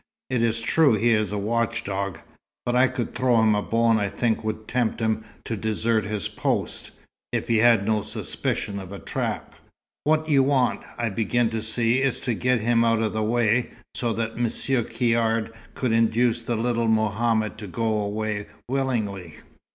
"It is true he is a watch dog; but I could throw him a bone I think would tempt him to desert his post if he had no suspicion of a trap. What you want, I begin to see, is to get him out of the way, so that Monsieur Caird could induce the little Mohammed to go away willingly?"